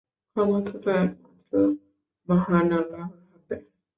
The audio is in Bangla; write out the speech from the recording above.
ক্ষমতা তো একমাত্র মহান আল্লাহর হাতে।